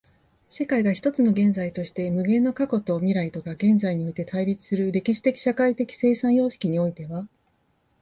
世界が一つの現在として、無限の過去と未来とが現在において対立する歴史的社会的生産様式においては、